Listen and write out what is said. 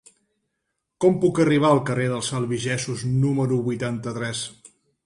Com puc arribar al carrer dels Albigesos número vuitanta-tres?